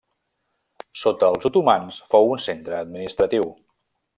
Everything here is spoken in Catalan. Sota els otomans fou un centre administratiu.